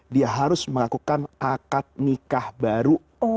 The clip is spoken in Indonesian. dia harus melakukan akad nikah baru